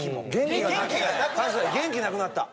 元気がなくなった？